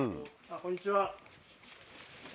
こんにちは。